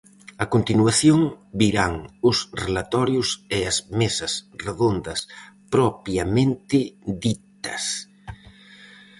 A continuación, virán os relatorios e as mesas redondas propiamente ditas.